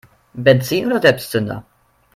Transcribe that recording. Benzin oder Selbstzünder?